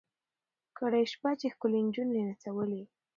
کرۍ شپه یې ښکلي نجوني نڅولې